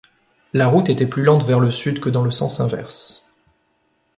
La route était plus lente vers le sud que dans le sens inverse.